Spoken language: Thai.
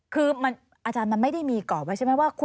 คืออาจารย์มันไม่ได้มีกรอบไว้ใช่ไหมว่า